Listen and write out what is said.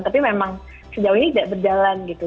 tapi memang sejauh ini tidak berjalan gitu